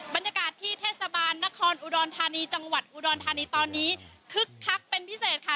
บรรยากาศที่เทศบาลนครอุดรธานีจังหวัดอุดรธานีตอนนี้คึกคักเป็นพิเศษค่ะ